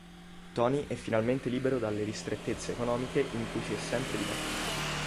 Tony è finalmente libero dalle ristrettezze economiche in cui si è sempre dibattuto.